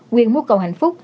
quyền mưu cầu hạnh phúc